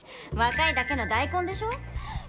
若いだけの大根でしょ。